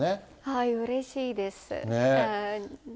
はい、うれしいです。